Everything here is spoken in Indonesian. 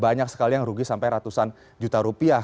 banyak sekali yang rugi sampai ratusan juta rupiah